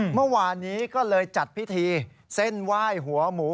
เมื่อวานนี้ก็เลยจัดพิธีเส้นไหว้หัวหมู